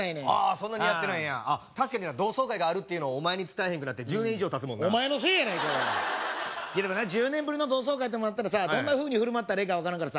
そんなにやってないんや確かに同窓会があるっていうのをお前に伝えへんくなって１０年以上たつもんなお前のせいやないかおいでもな１０年ぶりの同窓会ともなったらさどんなふうにふるまったらいいか分からんからさ